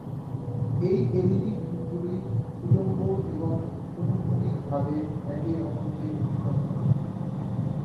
এই LED beam গুলি উল্লম্ব এবং অনুভূমিক ভাবে একে অপরকে অতিক্রম করে।